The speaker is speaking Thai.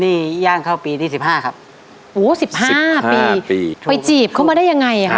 นี่ย่างเข้าปีที่สิบห้าครับโอ้สิบห้าปีปีไปจีบเขามาได้ยังไงอ่ะคะ